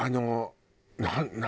何？